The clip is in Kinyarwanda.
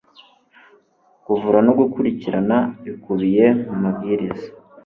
kuvura no gukurikirana ibikubiye mu mabwiriza